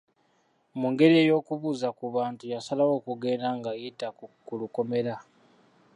Mu ngeri ey'okubuuza ku bantu yasalawo okugenda ng'ayita ku lukomera.